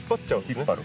引っ張る。